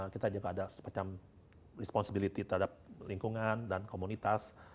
kita juga ada semacam responsibility terhadap lingkungan dan komunitas